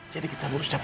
jadi kita berusaha